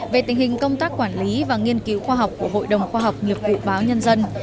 về tình hình công tác quản lý và nghiên cứu khoa học của hội đồng khoa học nghiệp vụ báo nhân dân